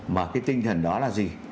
mà cái tinh thần đó là gì